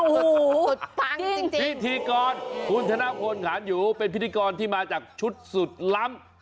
โอ้โหสุดปังจริงพิธีกรคุณธนพลขานอยู่เป็นพิธีกรที่มาจากชุดสุดล้ำ